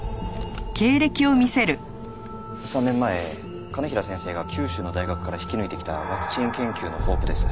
３年前兼平先生が九州の大学から引き抜いてきたワクチン研究のホープです。